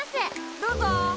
どうぞ。